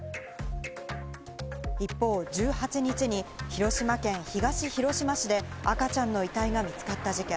一方、１８日に広島県東広島市で赤ちゃんの遺体が見つかった事件。